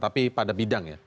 tapi pada bidang ya